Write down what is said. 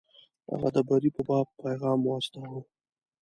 هغه د بري په باب پیغام واستاوه.